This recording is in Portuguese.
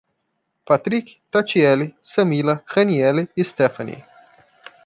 Patric, Tatiele, Samila, Raniele e Stephanie